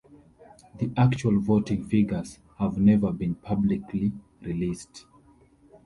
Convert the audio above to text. The actual voting figures have never been publicly released.